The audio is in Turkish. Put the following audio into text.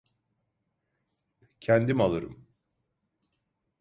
Kendim alırım.